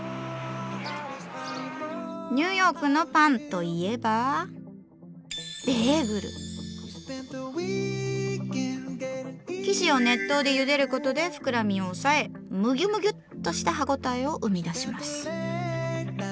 ニューヨークのパンといえば生地を熱湯でゆでることで膨らみを抑えムギュムギュッとした歯応えを生み出します。